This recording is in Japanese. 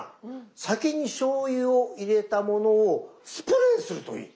酒にしょうゆを入れたものをスプレーするといい。